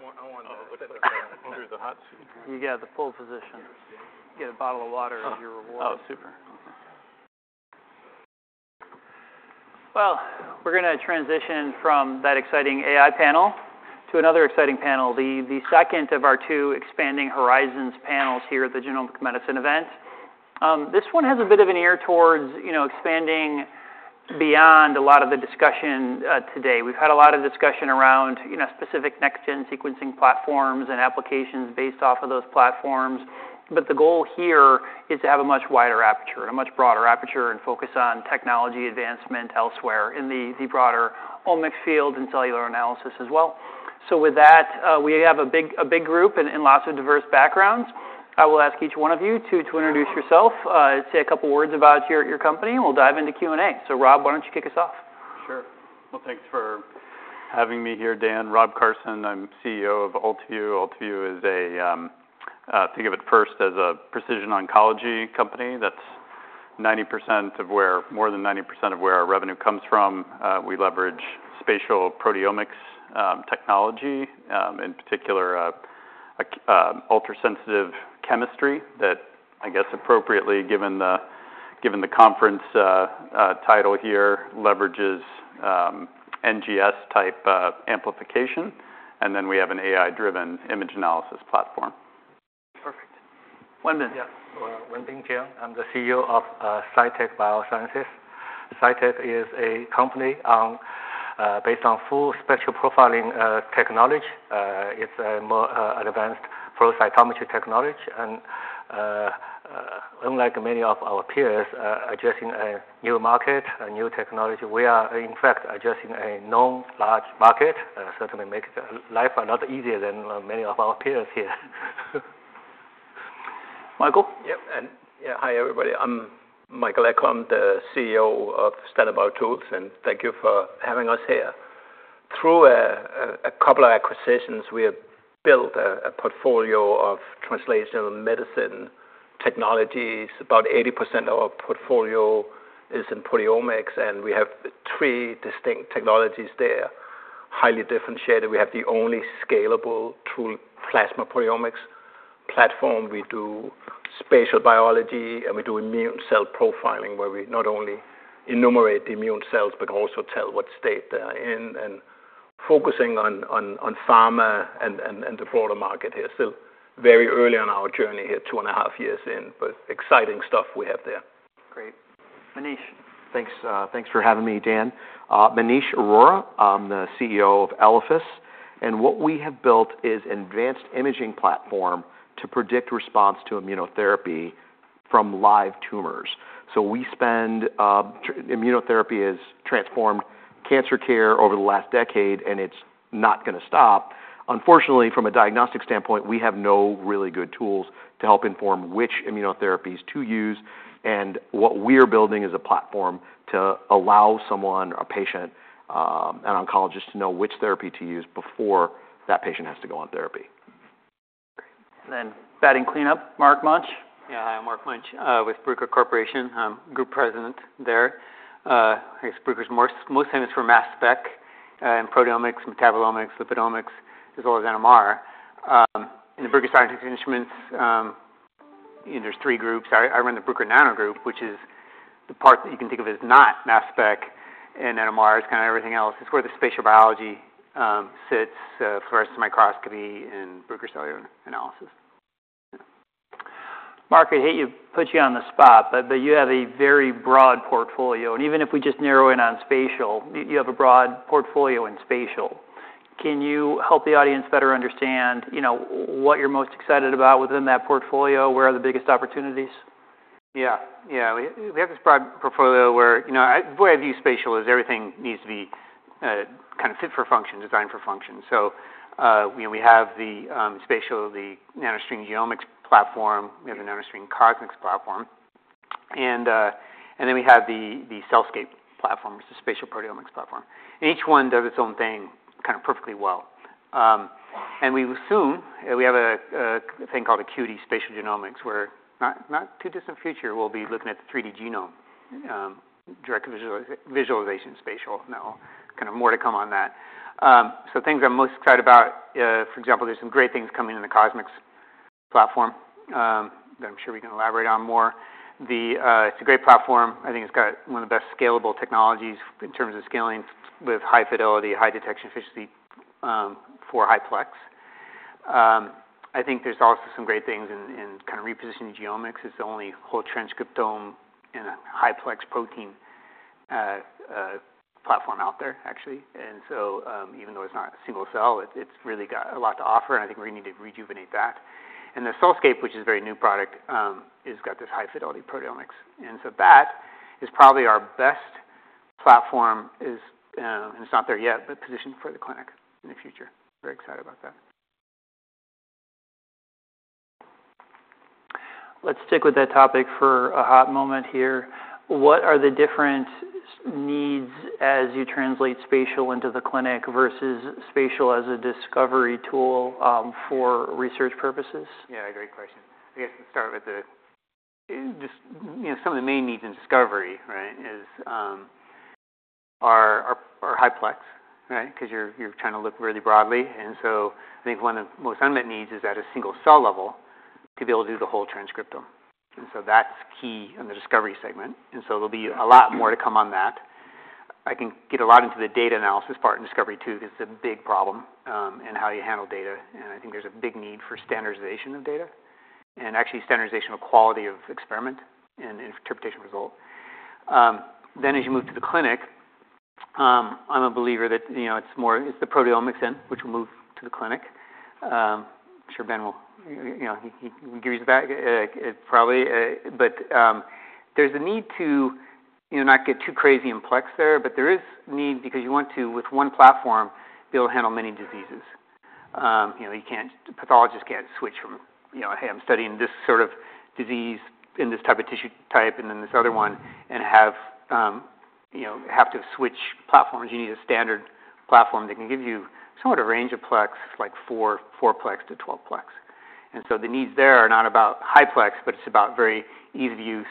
I want to- Under the hot suit. You get the full position. Interesting. You get a bottle of water as your reward. Oh, super. Well, we're going to transition from that exciting AI panel to another exciting panel, the second of our two Expanding Horizons panels here at the Genomic Medicine event. This one has a bit of an ear towards, you know, expanding beyond a lot of the discussion today. We've had a lot of discussion around, you know, specific next-gen sequencing platforms and applications based off of those platforms. But the goal here is to have a much wider aperture, a much broader aperture, and focus on technology advancement elsewhere in the broader 'omics field and cellular analysis as well. So with that, we have a big, a big group and lots of diverse backgrounds. I will ask each one of you to introduce yourself, say a couple words about your company, and we'll dive into Q&A. So Rob, why don't you kick us off? Sure. Well, thanks for having me here, Dan. Rob Carson, I'm CEO of Ultivue. Ultivue is a think of it first as a precision oncology company. That's 90% of where—more than 90% of where our revenue comes from. We leverage spatial proteomics technology, in particular, a ultrasensitive chemistry that, I guess, appropriately, given the conference title here, leverages NGS-type amplification, and then we have an AI-driven image analysis platform. Perfect. Wenbin? Yeah. Wenbin Jiang. I'm the CEO of Cytek Biosciences. Cytek is a company based on full spectral profiling technology. It's a more advanced flow cytometry technology, and unlike many of our peers addressing a new market, a new technology, we are, in fact, addressing a known large market. Certainly makes life a lot easier than many of our peers here. Michael? Yep, and... Yeah, hi, everybody. I'm Michael Egholm, the CEO of Standard BioTools, and thank you for having us here. Through a couple of acquisitions, we have built a portfolio of translational medicine technologies. About 80% of our portfolio is in proteomics, and we have three distinct technologies there, highly differentiated. We have the only scalable true plasma proteomics platform. We do spatial biology, and we do immune cell profiling, where we not only enumerate the immune cells but also tell what state they are in, and focusing on pharma and the broader market here. Still very early on our journey here, two and a half years in, but exciting stuff we have there. Great. Maneesh? Thanks, thanks for having me, Dan. Maneesh Arora, I'm the CEO of Elephas, and what we have built is an advanced imaging platform to predict response to immunotherapy from live tumors. So immunotherapy has transformed cancer care over the last decade, and it's not going to stop. Unfortunately, from a diagnostic standpoint, we have no really good tools to help inform which immunotherapies to use, and what we're building is a platform to allow someone, a patient, an oncologist, to know which therapy to use before that patient has to go on therapy. Great. And then batting cleanup, Mark Munch. Yeah. Hi, I'm Mark Munch with Bruker Corporation. I'm group president there. I guess, Bruker's most, most famous for mass spec and proteomics, metabolomics, lipidomics, as well as NMR. In the Bruker scientific instruments, you know, there's three groups. I, I run the Bruker Nano Group, which is the part that you can think of as not mass spec and NMR. It's kind of everything else. It's where the spatial biology sits for us, microscopy and Bruker Cellular Analysis. Mark, I hate to put you on the spot, but you have a very broad portfolio, and even if we just narrow in on spatial, you have a broad portfolio in spatial. Can you help the audience better understand, you know, what you're most excited about within that portfolio? Where are the biggest opportunities? Yeah, yeah. We have this broad portfolio where, you know, the way I view spatial is everything needs to be kind of fit for function, designed for function. So, you know, we have the spatial, the NanoString GeoMx platform. We have the NanoString CosMx platform, and then we have the CellScape platform, which is a spatial proteomics platform. And each one does its own thing kind of perfectly well. And we will soon have a thing called Acuity Spatial Genomics, where in the not too distant future, we'll be looking at the 3D genome, direct visualization spatial. Now, kind of more to come on that. So things I'm most excited about, for example, there's some great things coming in the CosMx platform, that I'm sure we can elaborate on more. It's a great platform. I think it's got one of the best scalable technologies in terms of scaling with high fidelity, high detection efficiency, for high-plex. I think there's also some great things in kind of repositioning genomics. It's the only whole transcriptome and a high-plex protein platform out there, actually. And so, even though it's not a single cell, it's really got a lot to offer, and I think we need to rejuvenate that. And the CellScape, which is a very new product, it's got this high-fidelity proteomics. And so that is probably our best platform. And it's not there yet, but positioned for the clinic in the future. Very excited about that. Let's stick with that topic for a hot moment here. What are the different needs as you translate spatial into the clinic versus spatial as a discovery tool, for research purposes? Yeah, great question. I guess, let's start with the, just, you know, some of the main needs in discovery, right? High-plex, right? 'Cause you're trying to look really broadly. And so I think one of the most unmet needs is at a single-cell level to be able to do the whole transcriptome. And so that's key in the discovery segment, and so there'll be a lot more to come on that. I can get a lot into the data analysis part in discovery, too, 'cause it's a big problem in how you handle data, and I think there's a big need for standardization of data and actually standardization of quality of experiment and interpretation result. Then as you move to the clinic, I'm a believer that, you know, it's more—it's the proteomics end, which will move to the clinic. I'm sure Ben will, you know, he, he can give you his back, probably... But, there's a need to, you know, not get too crazy in plex there, but there is need because you want to, with one platform, be able to handle many diseases. You know, you can't—the pathologist can't switch from, you know, "Hey, I'm studying this sort of disease in this type of tissue type, and then this other one," and have, you know, have to switch platforms. You need a standard platform that can give you somewhat a range of plex, like 4-plex to 12-plex. And so the needs there are not about high-plex, but it's about very easy to use,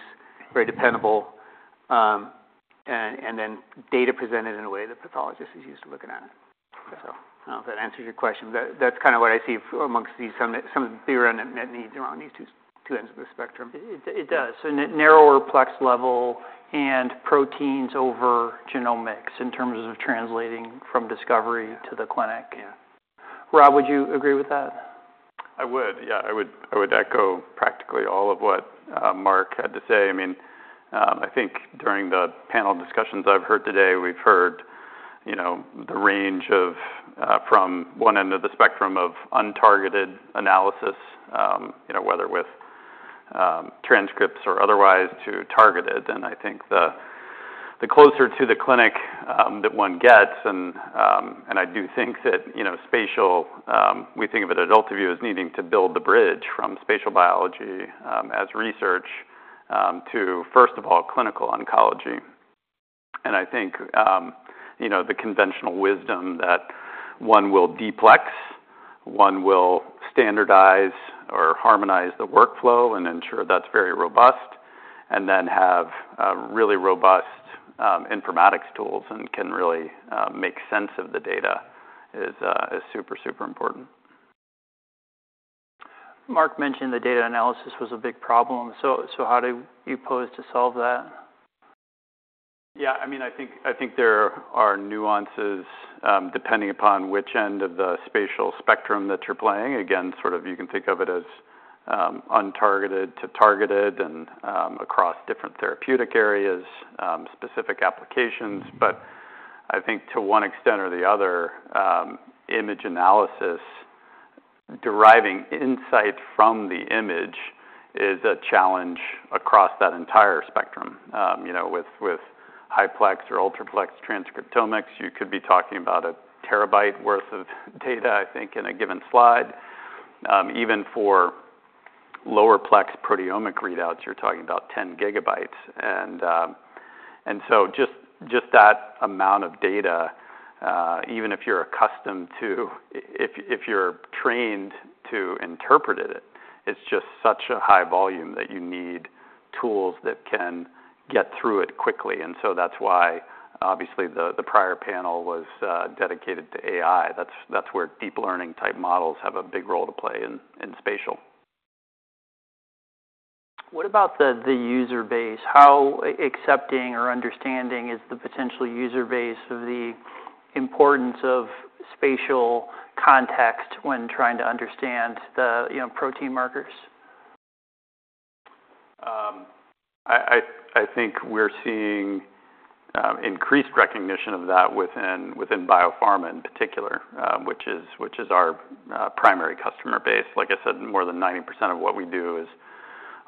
very dependable, and then data presented in a way that pathologists is used to looking at it. So I don't know if that answers your question, but that's kind of what I see amongst some of the bigger unmet needs around these two ends of the spectrum. It does. So narrower plex level and proteins over genomics in terms of translating from discovery- Yeah. to the clinic. Yeah. Rob, would you agree with that? I would. Yeah, I would, I would echo practically all of what, Mark had to say. I mean, I think during the panel discussions I've heard today, we've heard, you know, the range of, from one end of the spectrum of untargeted analysis, you know, whether with, transcripts or otherwise, to targeted. And I think the, the closer to the clinic, that one gets... And, and I do think that, you know, spatial, we think of it at Ultivue as needing to build the bridge from spatial biology, as research, to, first of all, clinical oncology. And I think, you know, the conventional wisdom that one will deplex, one will standardize or harmonize the workflow and ensure that's very robust, and then have really robust informatics tools, and can really make sense of the data is, is super, super important. Mark mentioned the data analysis was a big problem, so how do you propose to solve that? Yeah, I mean, I think, I think there are nuances, depending upon which end of the spatial spectrum that you're playing. Again, sort of you can think of it as, untargeted to targeted and, across different therapeutic areas, specific applications. But I think to one extent or the other, image analysis, deriving insight from the image, is a challenge across that entire spectrum. You know, with high plex or ultraplex transcriptomics, you could be talking about a TB worth of data, I think, in a given slide. Even for lower plex proteomic readouts, you're talking about 10 GB. And so just that amount of data, even if you're accustomed to... If you're trained to interpret it, it's just such a high volume that you need tools that can get through it quickly. And so that's why, obviously, the prior panel was dedicated to AI. That's where deep learning-type models have a big role to play in spatial. What about the user base? How accepting or understanding is the potential user base of the importance of spatial context when trying to understand the, you know, protein markers? I think we're seeing increased recognition of that within biopharma in particular, which is our primary customer base. Like I said, more than 90% of what we do is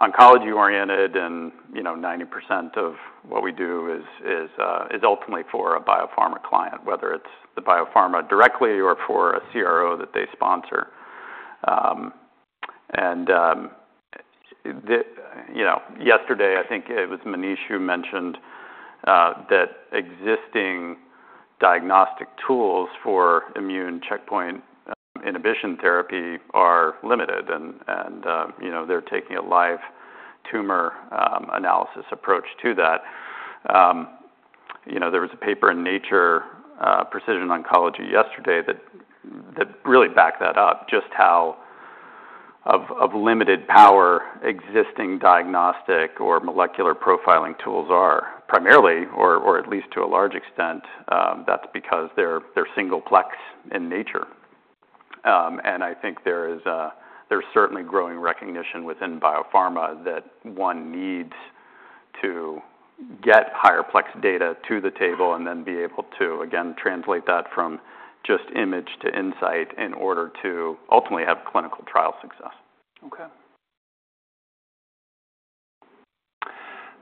oncology-oriented, and, you know, 90% of what we do is ultimately for a biopharma client, whether it's the biopharma directly or for a CRO that they sponsor. You know, yesterday, I think it was Maneesh who mentioned that existing diagnostic tools for immune checkpoint inhibition therapy are limited, and, you know, they're taking a live tumor analysis approach to that. You know, there was a paper in Nature Precision Oncology yesterday that really backed that up, just how limited power existing diagnostic or molecular profiling tools are. Primarily, or at least to a large extent, that's because they're single-plex in nature. And I think there's certainly growing recognition within biopharma that one needs to get higher-plex data to the table, and then be able to, again, translate that from just image to insight in order to ultimately have clinical trial success. Okay.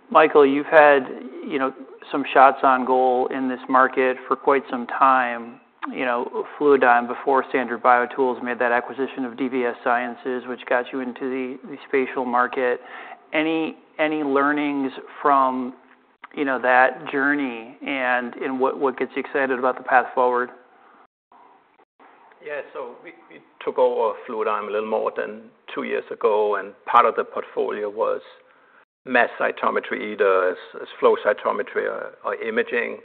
Michael, you've had, you know, some shots on goal in this market for quite some time. You know, Fluidigm, before Standard BioTools, made that acquisition of DVS Sciences, which got you into the, the spatial market. Any, any learnings from, you know, that journey, and, and what, what gets you excited about the path forward? Yeah, so we took over Fluidigm a little more than 2 years ago, and part of the portfolio was mass cytometry, either as flow cytometry or imaging.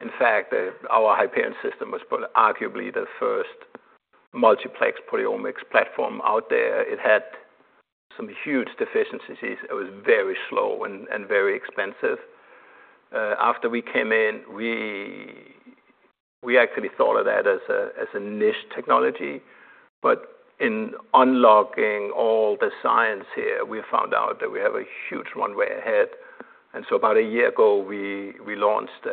In fact, our Hyperion system was probably arguably the first multiplex proteomics platform out there. It had some huge deficiencies. It was very slow and very expensive. After we came in, we actually thought of that as a niche technology. But in unlocking all the science here, we found out that we have a huge runway ahead. And so about 1 year ago, we launched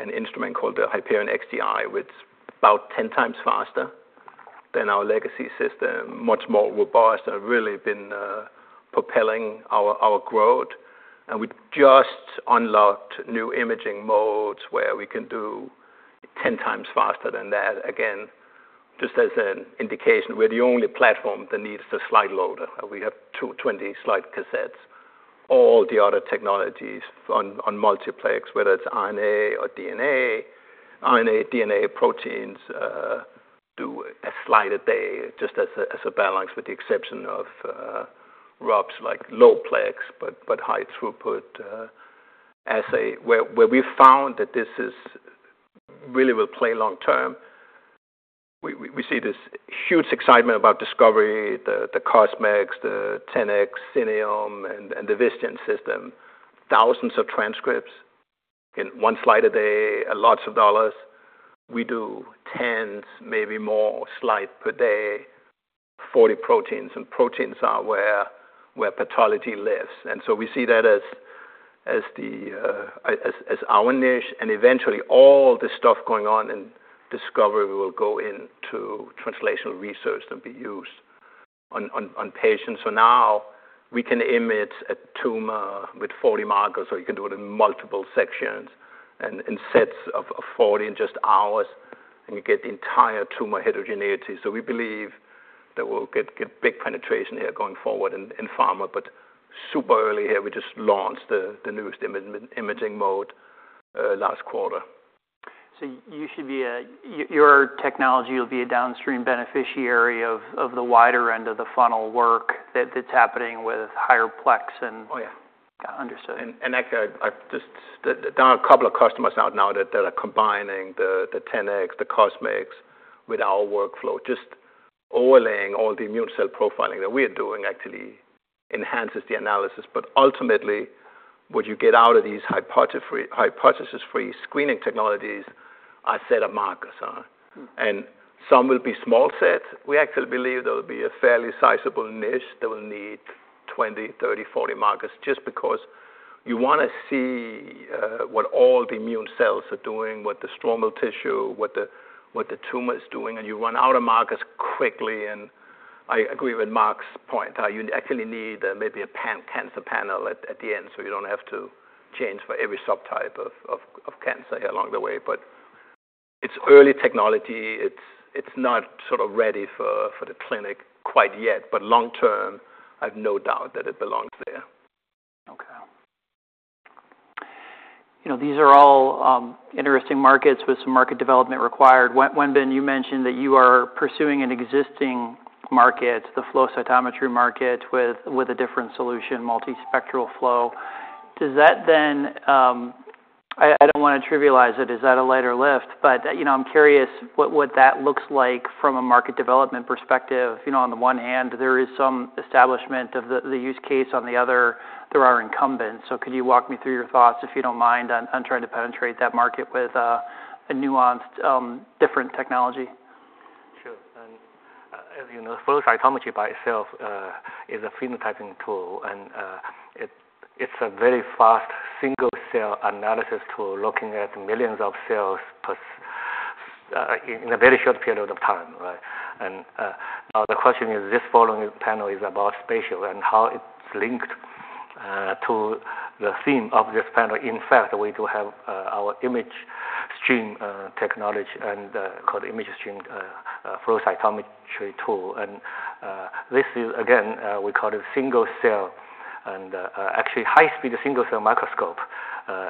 an instrument called the Hyperion XGI, which is about 10x faster than our legacy system, much more robust, and really been propelling our growth. And we just unlocked new imaging modes, where we can do 10x faster than that. Again, just as an indication, we're the only platform that needs a slide loader. We have two 20-slide cassettes. All the other technologies on multiplex, whether it's RNA or DNA, proteins, do one slide a day, just as a balance, with the exception of rubs like low-plex, but high-throughput assay, where we found that this really will play long term. We see this huge excitement about discovery, the CosMx, the 10x, Xenium, and the Visium system. Thousands of transcripts in one slide a day, and lots of dollars. We do tens, maybe more slides per day, 40 proteins, and proteins are where pathology lives. And so we see that as our niche, and eventually all the stuff going on in discovery will go into translational research and be used on patients. So now we can image a tumor with 40 markers, or you can do it in multiple sections and in sets of 40 in just hours, and you get the entire tumor heterogeneity. So we believe that we'll get big penetration here going forward in pharma, but super early here. We just launched the newest imaging mode last quarter. So your technology will be a downstream beneficiary of the wider end of the funnel work that's happening with higher plex and- Oh, yeah. Got it. Understood. And actually, there are a couple of customers out now that are combining the 10x, the CosMx with our workflow. Just overlaying all the immune cell profiling that we are doing actually enhances the analysis. But ultimately, what you get out of these hypothesis-free screening technologies are set of markers on. Mm-hmm. Some will be small set. We actually believe there will be a fairly sizable niche that will need 20, 30, 40 markers, just because you wanna see what all the immune cells are doing, what the stromal tissue, what the tumor is doing, and you run out of markers quickly. I agree with Mark's point, how you actually need maybe a pan-cancer panel at the end, so you don't have to change for every subtype of cancer along the way. But it's early technology. It's not sort of ready for the clinic quite yet, but long term, I've no doubt that it belongs there. Okay. You know, these are all interesting markets with some market development required. Wenbin, you mentioned that you are pursuing an existing market, the flow cytometry market, with a different solution, multispectral flow. Does that then... I don't wanna trivialize it. Is that a lighter lift? But, you know, I'm curious what that looks like from a market development perspective. You know, on the one hand, there is some establishment of the use case, on the other, there are incumbents. So could you walk me through your thoughts, if you don't mind, on trying to penetrate that market with a nuanced different technology? Sure. And, as you know, flow cytometry by itself is a phenotyping tool, and it's a very fast single-cell analysis tool, looking at millions of cells plus in a very short period of time, right? And, now, the question is, this following panel is about spatial and how it's linked to the theme of this panel. In fact, we do have our ImageStream technology and called ImageStream flow cytometry tool. And, this is again, we call it single-cell and actually high-speed single-cell microscope.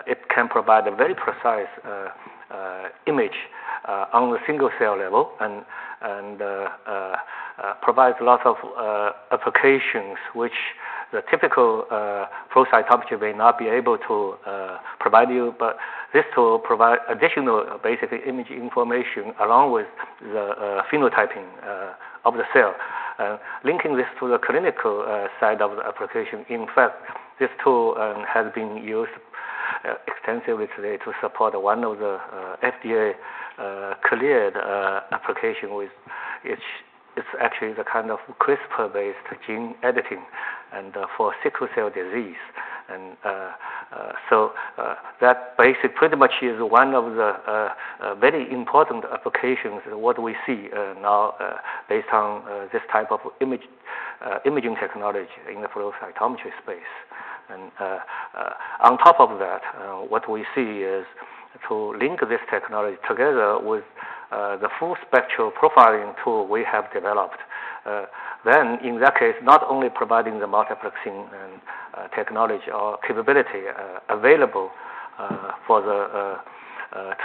It can provide a very precise image on the single-cell level and provides a lot of applications which the typical flow cytometry may not be able to provide you. But this tool provide additional, basically, image information along with the phenotyping of the cell. Linking this to the clinical side of the application, in fact, this tool has been used extensively to support one of the FDA cleared applications, which is, it's actually the kind of CRISPR-based gene editing and for sickle cell disease. And so that basically pretty much is one of the very important applications what we see now based on this type of imaging technology in the flow cytometry space. And on top of that what we see is to link this technology together with the full spectral profiling tool we have developed.... Then in that case, not only providing the multiplexing and technology or capability available for the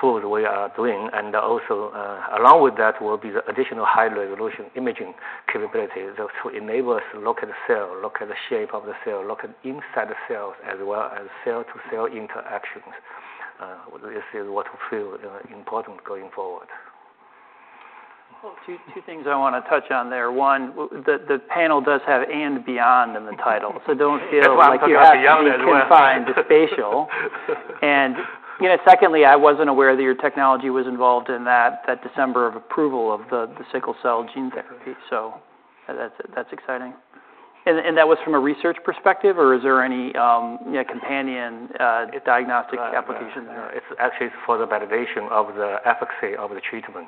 tools we are doing, and also along with that will be the additional high-resolution imaging capability that will enable us to look at the cell, look at the shape of the cell, look at inside the cells, as well as cell-to-cell interactions. This is what we feel, you know, important going forward. Well, two things I want to touch on there. One, the panel does have and beyond in the title, so don't feel- That's why I'm talking about the beyond as well. Like you have to be confined to spatial. And, you know, secondly, I wasn't aware that your technology was involved in that December approval of the sickle cell gene therapy, so that's exciting. And that was from a research perspective, or is there any, you know, companion diagnostic application? No, it's actually for the validation of the efficacy of the treatment-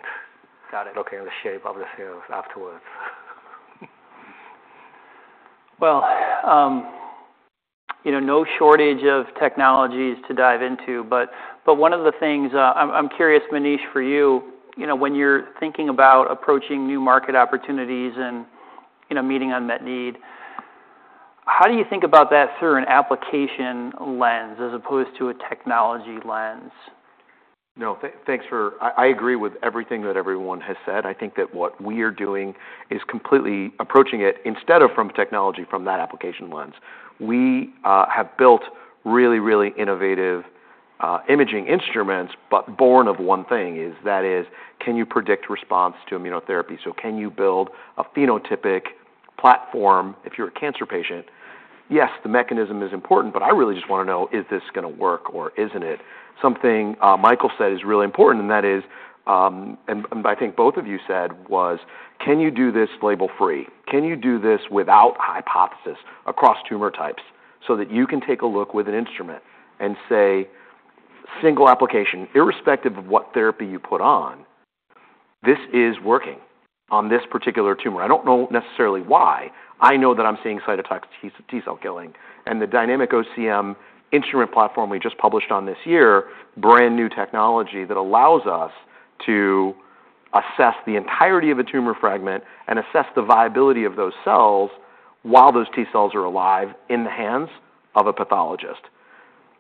Got it. looking at the shape of the cells afterwards. Well, you know, no shortage of technologies to dive into, but one of the things, I'm curious, Maneesh, for you, you know, when you're thinking about approaching new market opportunities and, you know, meeting unmet need, how do you think about that through an application lens as opposed to a technology lens? No, thanks for-- I agree with everything that everyone has said. I think that what we are doing is completely approaching it, instead of from technology, from that application lens. We have built really, really innovative imaging instruments, but born of one thing, is that can you predict response to immunotherapy? So can you build a phenotypic platform if you're a cancer patient? Yes, the mechanism is important, but I really just want to know, is this going to work or isn't it? Something Michael said is really important, and that is, and I think both of you said, Can you do this label-free? Can you do this without hypothesis across tumor types, so that you can take a look with an instrument and say, single application, irrespective of what therapy you put on, this is working on this particular tumor. I don't know necessarily why. I know that I'm seeing cytotoxic T-cell killing. The Dynamic OCM instrument platform we just published on this year, brand-new technology that allows us to assess the entirety of a tumor fragment and assess the viability of those cells while those T cells are alive in the hands of a pathologist.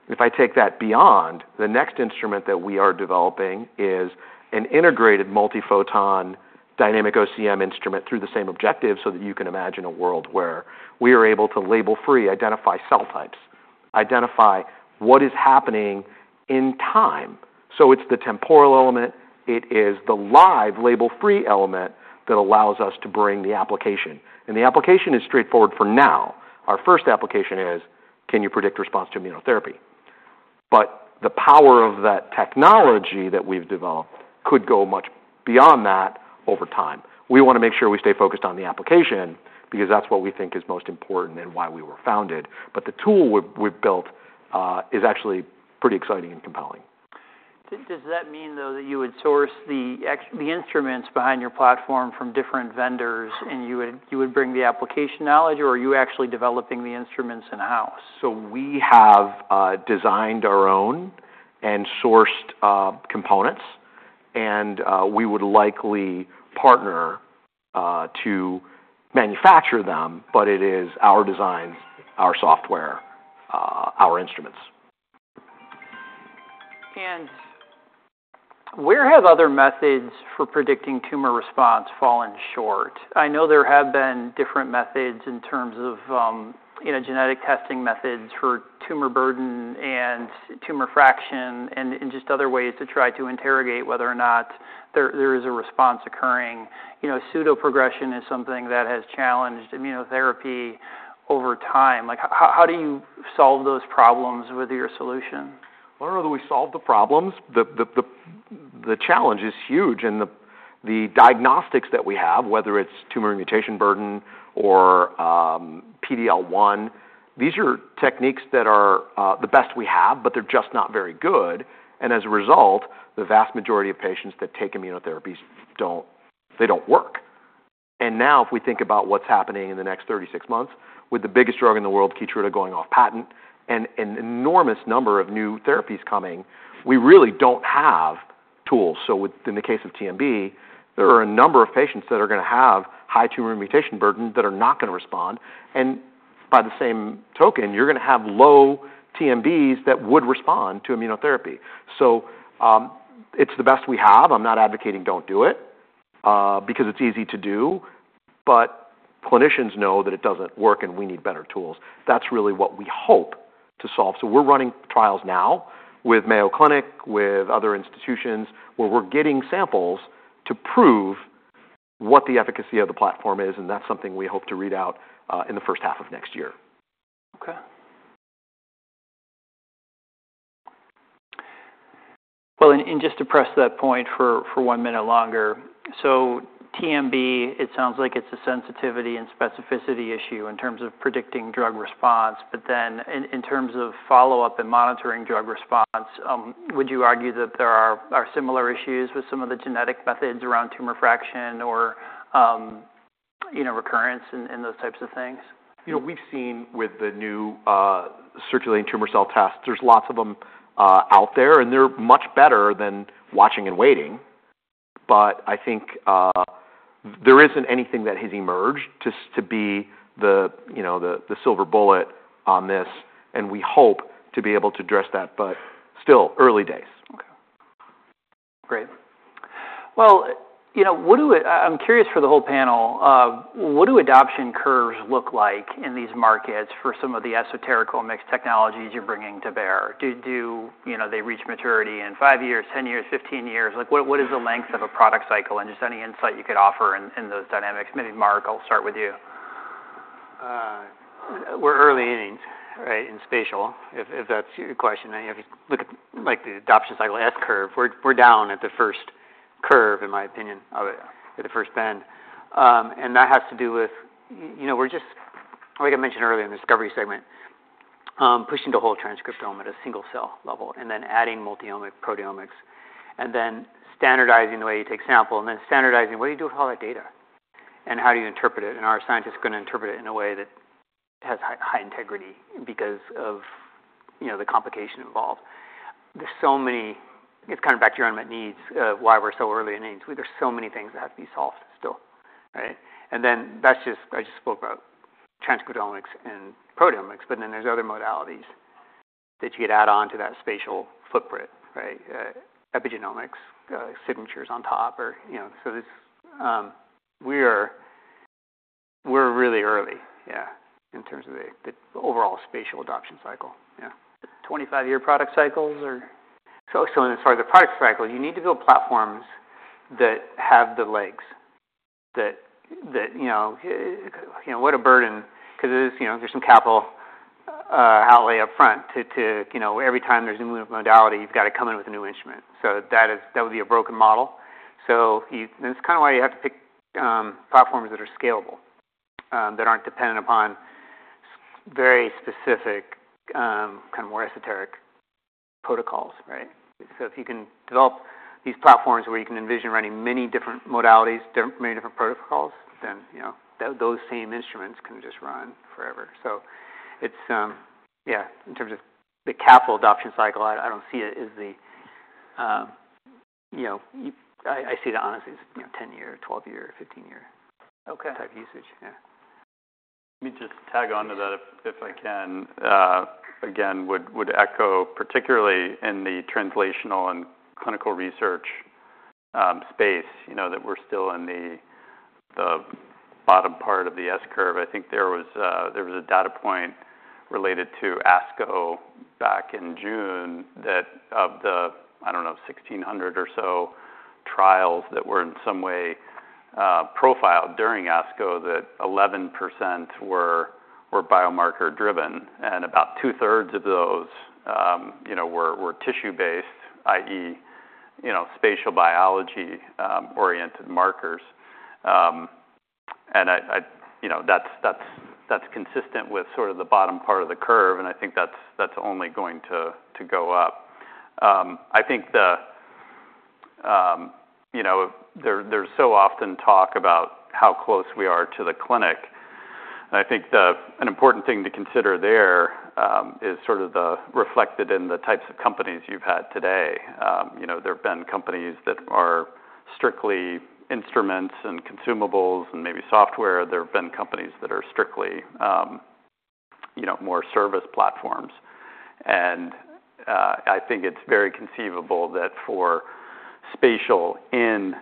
If I take that beyond, the next instrument that we are developing is an integrated multiphoton Dynamic OCM instrument through the same objective, so that you can imagine a world where we are able to label-free identify cell types, identify what is happening in time. It's the temporal element, it is the live label-free element that allows us to bring the application. The application is straightforward for now. Our first application is, can you predict response to immunotherapy? But the power of that technology that we've developed could go much beyond that over time. We want to make sure we stay focused on the application because that's what we think is most important and why we were founded. But the tool we've built is actually pretty exciting and compelling. Does that mean, though, that you would source the instruments behind your platform from different vendors, and you would bring the application knowledge, or are you actually developing the instruments in-house? So we have designed our own and sourced components, and we would likely partner to manufacture them, but it is our design, our software, our instruments. Where have other methods for predicting tumor response fallen short? I know there have been different methods in terms of, you know, genetic testing methods for tumor burden and tumor fraction, and just other ways to try to interrogate whether or not there is a response occurring. You know, pseudoprogression is something that has challenged immunotherapy over time. Like, how do you solve those problems with your solution? Well, I don't know that we solve the problems. The challenge is huge, and the diagnostics that we have, whether it's tumor mutation burden or PD-L1, these are techniques that are the best we have, but they're just not very good. And as a result, the vast majority of patients that take immunotherapies don't... They don't work. And now, if we think about what's happening in the next 36 months, with the biggest drug in the world, Keytruda, going off patent and an enormous number of new therapies coming, we really don't have tools. So, in the case of TMB, there are a number of patients that are going to have high tumor mutation burden that are not going to respond, and by the same token, you're going to have low TMBs that would respond to immunotherapy. So, it's the best we have. I'm not advocating don't do it, because it's easy to do, but clinicians know that it doesn't work, and we need better tools. That's really what we hope to solve. So we're running trials now with Mayo Clinic, with other institutions, where we're getting samples to prove what the efficacy of the platform is, and that's something we hope to read out, in the first half of next year. Okay. Well, just to press that point for one minute longer. So TMB, it sounds like it's a sensitivity and specificity issue in terms of predicting drug response, but then in terms of follow-up and monitoring drug response, would you argue that there are similar issues with some of the genetic methods around tumor fraction or, you know, recurrence and those types of things? You know, we've seen with the new, circulating tumor cell tests, there's lots of them out there, and they're much better than watching and waiting. But I think, there isn't anything that has emerged to be the, you know, the, the silver bullet on this, and we hope to be able to address that, but still early days. Okay, great. Well, you know, I'm curious for the whole panel, what do adoption curves look like in these markets for some of the esoteric mixed technologies you're bringing to bear? Do you know, they reach maturity in 5 years, 10 years, 15 years? Like, what is the length of a product cycle, and just any insight you could offer in those dynamics? Maybe Mark, I'll start with you. We're early innings, right, in spatial, if that's your question. I mean, if you look at, like, the adoption cycle S curve, we're down at the first curve, in my opinion, of it, at the first bend. And that has to do with, you know, we're just, like I mentioned earlier in the discovery segment, pushing the whole transcriptome at a single cell level, and then adding multi-omic proteomics, and then standardizing the way you take sample, and then standardizing what do you do with all that data? And how do you interpret it? And are scientists gonna interpret it in a way that has high integrity because of, you know, the complication involved. There's so many... It's kind of back to your unmet needs, why we're so early in innings. There's so many things that have to be solved still, right? And then that's just, I just spoke about transcriptomics and proteomics, but then there's other modalities that you could add on to that spatial footprint, right? Epigenomics signatures on top, or, you know, so it's, we're really early, yeah, in terms of the overall spatial adoption cycle. Yeah. 25 year product cycles, or? So as far as the product cycle, you need to build platforms that have the legs, that you know... You know, what a burden, 'cause there's, you know, there's some capital outlay upfront to, to, you know, every time there's a new modality, you've got to come in with a new instrument. So that is- that would be a broken model. So you-- and it's kind of why you have to pick platforms that are scalable, that aren't dependent upon s- very specific kind of more esoteric protocols, right? So if you can develop these platforms where you can envision running many different modalities, different, many different protocols, then, you know, those same instruments can just run forever. So it's, yeah, in terms of the capital adoption cycle, I don't see it as the, you know... I see it honestly as, you know, 10-year, 12-year, 15-year- Okay Type usage. Yeah. Let me just tag onto that, if I can. Again, would echo, particularly in the translational and clinical research space, you know, that we're still in the bottom part of the S curve. I think there was a data point related to ASCO back in June, that of the, I don't know, 1,600 or so trials that were in some way profiled during ASCO, that 11% were biomarker driven, and about two-thirds of those, you know, were tissue based, i.e., you know, spatial biology oriented markers. And I you know, that's consistent with sort of the bottom part of the curve, and I think that's only going to go up. I think the, you know, there, there's so often talk about how close we are to the clinic, and I think the... An important thing to consider there, is sort of the, reflected in the types of companies you've had today. You know, there have been companies that are strictly instruments and consumables and maybe software. There have been companies that are strictly, you know, more service platforms. And, I think it's very conceivable that for spatial in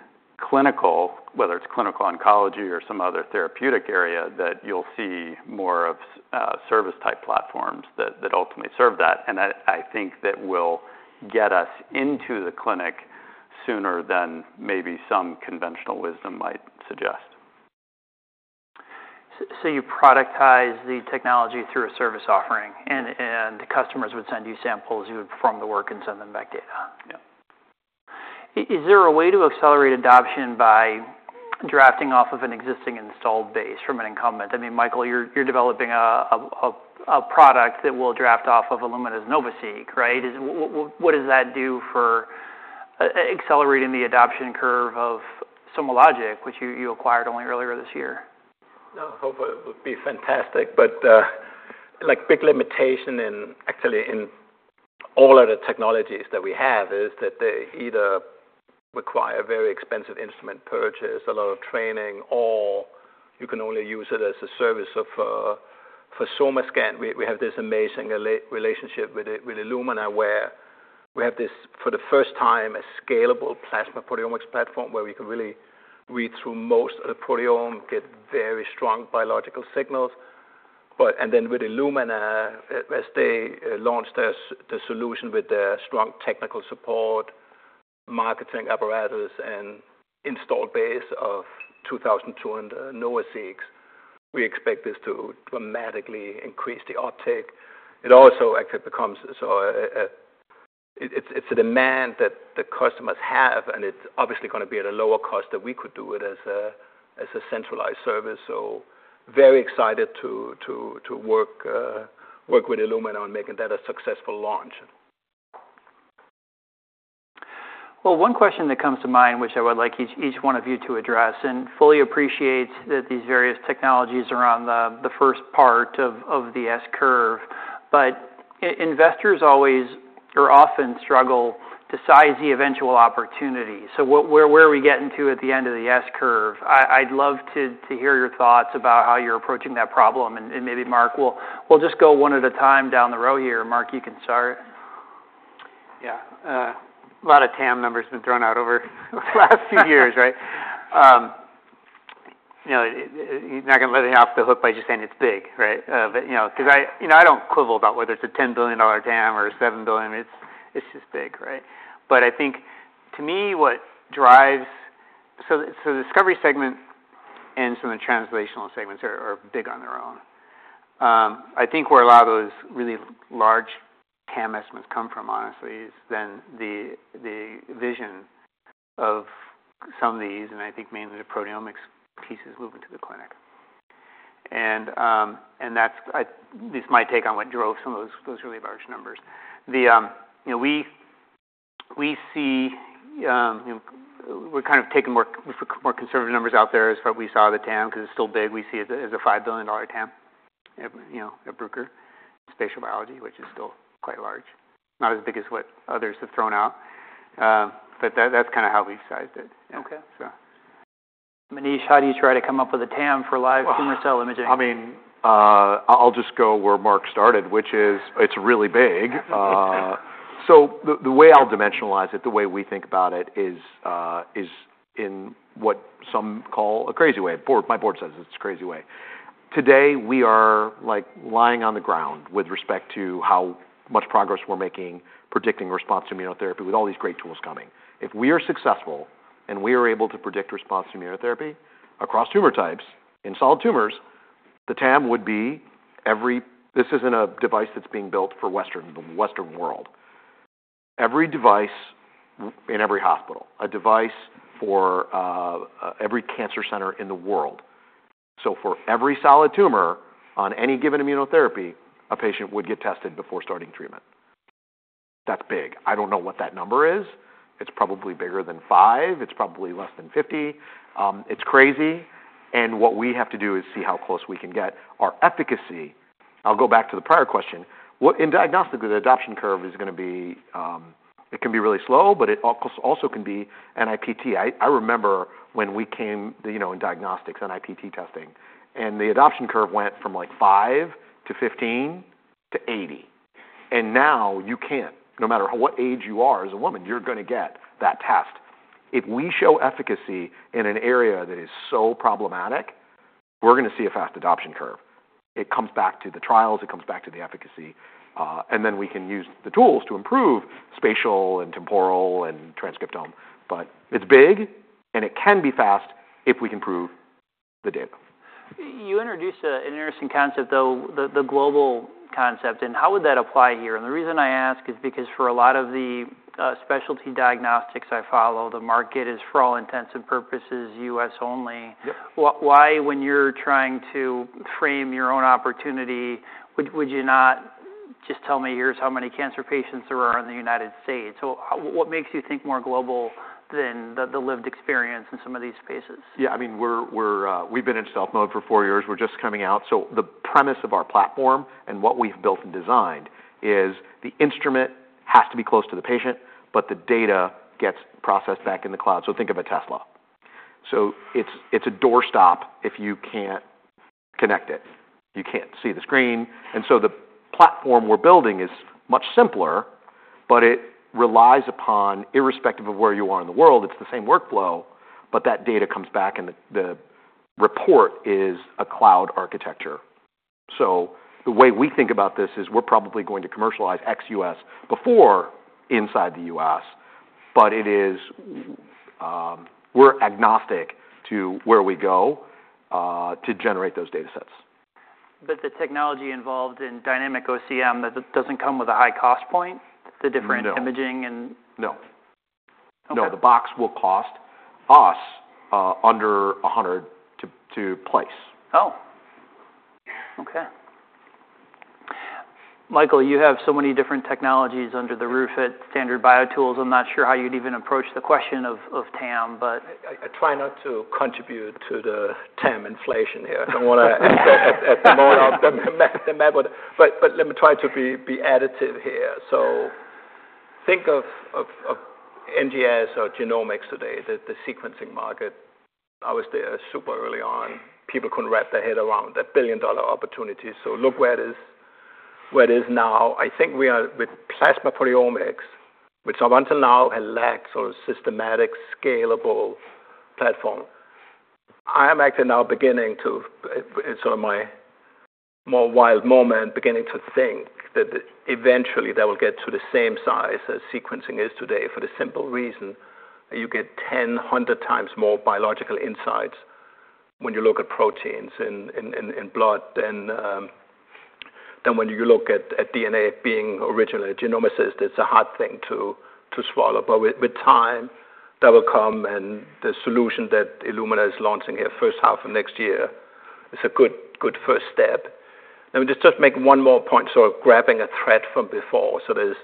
clinical, whether it's clinical oncology or some other therapeutic area, that you'll see more of, service-type platforms that, that ultimately serve that. And that, I think, that will get us into the clinic sooner than maybe some conventional wisdom might suggest. So you productize the technology through a service offering, and the customers would send you samples, you would perform the work and send them back data? Yeah. Is there a way to accelerate adoption by drafting off of an existing installed base from an incumbent? I mean, Michael, you're developing a product that will draft off of Illumina's NovaSeq, right? What does that do for accelerating the adoption curve of SomaLogic, which you acquired only earlier this year? No, hopefully it would be fantastic, but, like, big limitation in, actually in all of the technologies that we have, is that they either require very expensive instrument purchase, a lot of training, or you can only use it as a service of... For SomaScan, we have this amazing relationship with Illumina, where we have this, for the first time, a scalable plasma proteomics platform, where we can really read through most of the proteome, get very strong biological signals. But, and then with Illumina, as they launched the solution with their strong technical support, marketing apparatus, and installed base of 2,200 NovaSeq, we expect this to dramatically increase the uptake. It also actually becomes a demand that the customers have, and it's obviously going to be at a lower cost than we could do it as a centralized service. So very excited to work with Illumina on making that a successful launch. ... Well, one question that comes to mind, which I would like each one of you to address, and fully appreciate that these various technologies are on the first part of the S-curve, but investors always or often struggle to size the eventual opportunity. So where are we getting to at the end of the S-curve? I'd love to hear your thoughts about how you're approaching that problem. And maybe Mark, we'll just go one at a time down the row here. Mark, you can start. Yeah, a lot of TAM numbers have been thrown out over the last few years, right? You know, you're not going to let me off the hook by just saying it's big, right? But, you know, 'cause I you know, I don't quibble about whether it's a $10 billion TAM or $7 billion. It's, it's just big, right? But I think, to me, what drives... So the, so the discovery segment and some of the translational segments are, are big on their own. I think where a lot of those really large TAM estimates come from, honestly, is then the, the vision of some of these, and I think mainly the proteomics pieces, moving to the clinic. And, and that's, I this is my take on what drove some of those, those really large numbers. You know, we see, you know, we're kind of taking more conservative numbers out there is what we saw the TAM, 'cause it's still big. We see it as a $5 billion TAM, you know, at Bruker, spatial biology, which is still quite large. Not as big as what others have thrown out, but that's kind of how we've sized it. Okay. So. Maneesh, how do you try to come up with a TAM for live tumor cell imaging? I mean, I'll just go where Mark started, which is, it's really big. So the way I'll dimensionalize it, the way we think about it is in what some call a crazy way. My board says it's a crazy way. Today, we are, like, lying on the ground with respect to how much progress we're making, predicting response to immunotherapy with all these great tools coming. If we are successful, and we are able to predict response to immunotherapy across tumor types in solid tumors, the TAM would be every... This isn't a device that's being built for the Western world. Every device in every hospital, a device for every cancer center in the world. So for every solid tumor, on any given immunotherapy, a patient would get tested before starting treatment. That's big. I don't know what that number is. It's probably bigger than 5; it's probably less than 50. It's crazy, and what we have to do is see how close we can get. Our efficacy, I'll go back to the prior question, what in diagnostics, the adoption curve is going to be, it can be really slow, but it also, also can be a NIPT. I remember when we came, you know, in diagnostics, NIPT testing, and the adoption curve went from, like, 5 to 15 to 80. And now you can't, no matter what age you are, as a woman, you're going to get that test. If we show efficacy in an area that is so problematic, we're going to see a fast adoption curve. It comes back to the trials, it comes back to the efficacy, and then we can use the tools to improve spatial and temporal and transcriptome. But it's big, and it can be fast if we can prove the data. You introduced an interesting concept, though, the global concept, and how would that apply here? And the reason I ask is because for a lot of the specialty diagnostics I follow, the market is, for all intents and purposes, US only. Yep. Why, when you're trying to frame your own opportunity, would you not just tell me, "Here's how many cancer patients there are in the United States?" So what makes you think more global than the lived experience in some of these spaces? Yeah, I mean, we've been in stealth mode for four years. We're just coming out. So the premise of our platform and what we've built and designed is the instrument has to be close to the patient, but the data gets processed back in the cloud. So think of a Tesla. So it's a doorstop if you can't connect it. You can't see the screen. And so the platform we're building is much simpler, but it relies upon, irrespective of where you are in the world, it's the same workflow, but that data comes back, and the report is a cloud architecture. So the way we think about this is we're probably going to commercialize ex-U.S. before inside the U.S., but it is, we're agnostic to where we go to generate those datasets. But the technology involved in Dynamic OCM, that doesn't come with a high cost point- No. the different imaging and No. Okay. No, the box will cost us under $100 to place. Oh! Okay. Michael, you have so many different technologies under the roof at Standard BioTools. I'm not sure how you'd even approach the question of, of TAM, but- I try not to contribute to the TAM inflation here. I don't want to at the moment, but let me try to be additive here. So think of NGS or genomics today, the sequencing market. I was there super early on. People couldn't wrap their head around that $1 billion opportunity. So look where it is now. I think we are, with plasma proteomics, which up until now had lacked a sort of systematic, scalable platform. I am actually now beginning to, in sort of my more wild moment, think that eventually that will get to the same size as sequencing is today, for the simple reason that you get 10, 100x more biological insights when you look at proteins in blood than when you look at DNA. Being originally a genomicist, it's a hard thing to swallow. But with time, that will come, and the solution that Illumina is launching here first half of next year is a good first step. Let me just make one more point, sort of grabbing a thread from before. So there's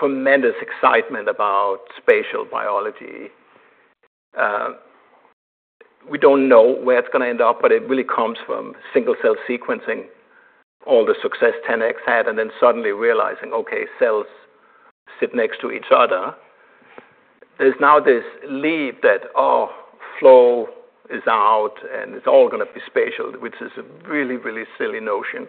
tremendous excitement about spatial biology. We don't know where it's gonna end up, but it really comes from single cell sequencing, all the success 10x had, and then suddenly realizing, okay, cells sit next to each other. There's now this leap that, oh, flow is out, and it's all gonna be spatial, which is a really, really silly notion.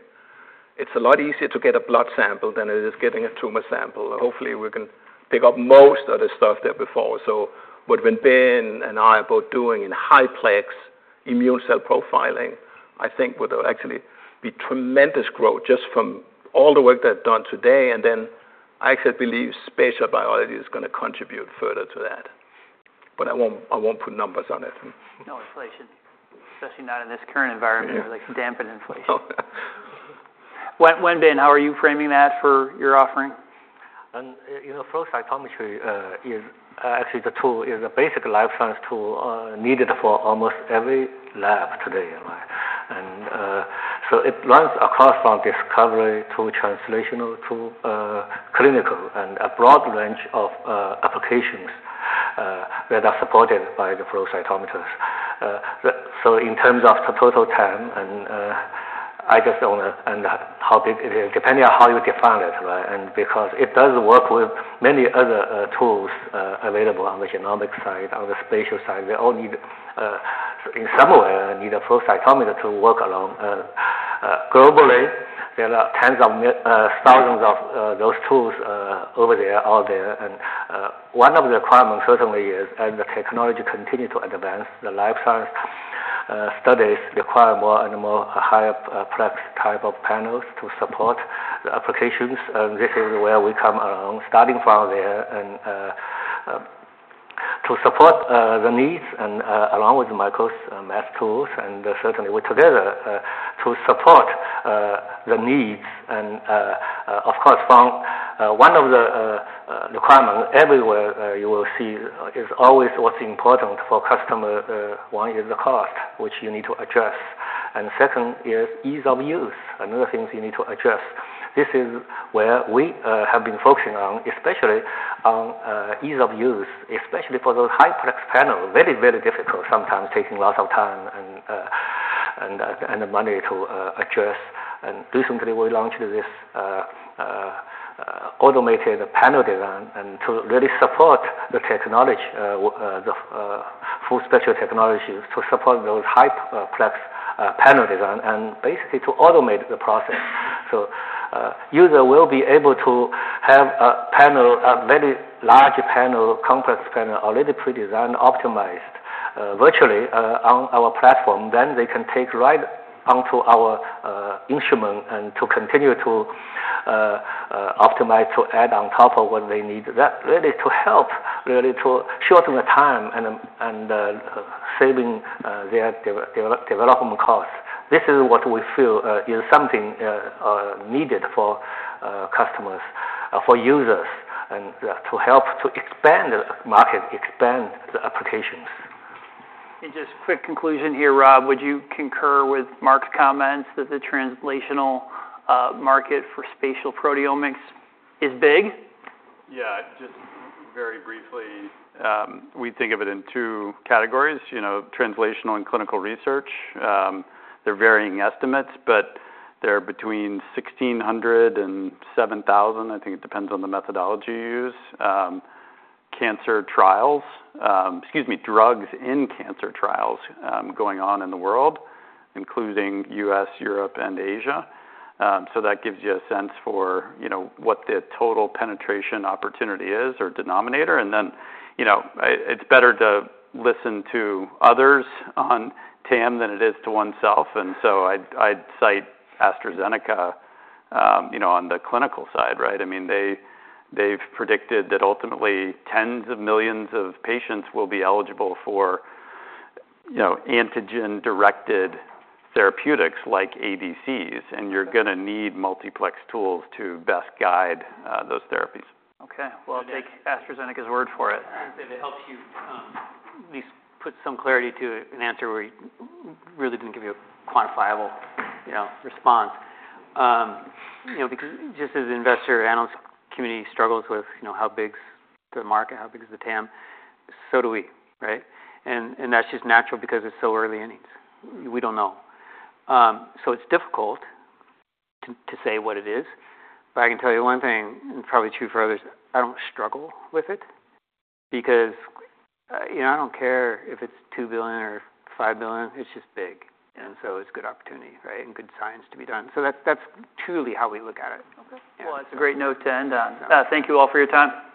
It's a lot easier to get a blood sample than it is getting a tumor sample, and hopefully we can pick up most of the stuff there before. So what Wenbin and I are both doing in high plex immune cell profiling, I think would actually be tremendous growth just from all the work they've done today. And then I actually believe spatial biology is gonna contribute further to that, but I won't, I won't put numbers on it. No inflation, especially not in this current environment, where, like, dampen inflation. Wenbin, how are you framing that for your offering? You know, flow cytometry is actually the tool is a basic life science tool needed for almost every lab today, right? And so it runs across from discovery to translational to clinical, and a broad range of applications that are supported by the flow cytometers. So in terms of the total TAM, and I just don't want to end up how big it is, depending on how you define it, right? And because it does work with many other tools available on the genomic side, on the spatial side, they all need in some way need a flow cytometer to work along. Globally, there are tens of thousands of those tools over there, out there. One of the requirements certainly is, and the technology continue to advance, the life science studies require more and more higher plex type of panels to support the applications, and this is where we come along. Starting from there, to support the needs and along with Michael's mass tools, and certainly we're together to support the needs. Of course, from one of the requirement everywhere you will see is always what's important for customer, one is the cost, which you need to address, and second is ease of use, another things you need to address. This is where we have been focusing on, especially on ease of use, especially for those high plex panel. Very, very difficult, sometimes taking lots of time and money to address. And recently we launched this automated panel design and to really support the technology for spatial technologies, to support those high-plex panel design, and basically to automate the process. So, user will be able to have a panel, a very large panel, complex panel, already pre-designed, optimized virtually on our platform. Then they can take right onto our instrument and to continue to optimize to add on top of what they need. That really to help, really to shorten the time and saving their development costs. This is what we feel is something needed for customers, for users, and to help to expand the market, expand the applications. Just quick conclusion here, Rob, would you concur with Mark's comments that the translational market for spatial proteomics is big? Yeah, just very briefly. We think of it in two categories: you know, translational and clinical research. There are varying estimates, but they're between 1,600 and 7,000, I think it depends on the methodology you use. Drugs in cancer trials going on in the world, including U.S., Europe and Asia. So that gives you a sense for, you know, what the total penetration opportunity is or denominator. And then, you know, it's better to listen to others on TAM than it is to oneself, and so I'd, I'd cite AstraZeneca, you know, on the clinical side, right? I mean, they- they've predicted that ultimately, tens of millions of patients will be eligible for, you know, antigen-directed therapeutics like ADCs, and you're gonna need multiplex tools to best guide, those therapies. Okay, well, I'll take AstraZeneca's word for it. And it helps you, at least put some clarity to an answer where we really didn't give you a quantifiable, you know, response. You know, because just as the investor analyst community struggles with, you know, how big the market, how big is the TAM, so do we, right? And that's just natural because it's so early innings. We don't know. So it's difficult to say what it is, but I can tell you one thing, and probably true for others, I don't struggle with it because, you know, I don't care if it's $2 billion or $5 billion, it's just big, and so it's a good opportunity, right? And good science to be done. So that's truly how we look at it. Okay. Well, that's a great note to end on. Thank you all for your time.